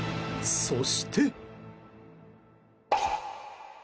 そして。